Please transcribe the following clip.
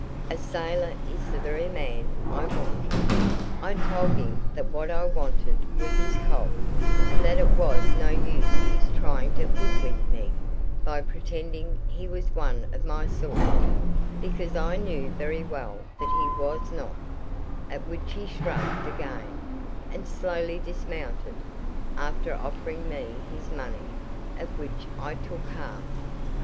A sailor is the very man I want!' "I told him that what I wanted was his cob, and that it was no use his trying to hoodwink me by pretending he was one of my sort, because I knew very well that he was not; at which he shrugged again, and slowly dismounted, after offering me his money, of which I took half.